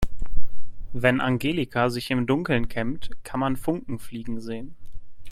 Wenn Angelika sich im Dunkeln kämmt, kann man Funken fliegen sehen.